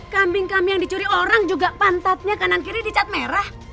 kambing kami yang dicuri orang juga pantatnya kanan kiri dicat merah